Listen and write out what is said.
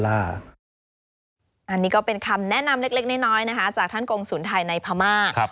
อันนี้ก็เป็นคำแนะนำเล็กน้อยนะคะจากท่านกงศูนย์ไทยในพม่า